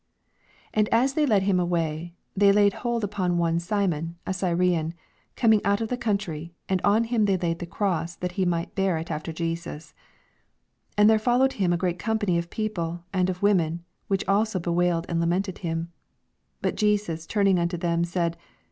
26 And&B they led him away, they laid liold upon one Simon, a Cyren ian, cx)ming oat of the country, and on him they laid the cross, that he might bear it after Jesus. 27 And there followed him a great company of people, and of women, which also bewailed and lamented him. • 28 But Jesus turning anto them, said.